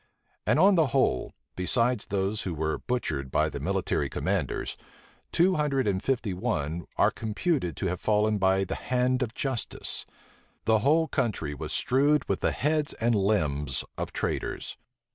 And on the whole, besides those who were butchered by the military commanders, two hundred and fifty one are computed to have fallen by the hand of justice. The whole country was strowed with the heads and limbs of traitors.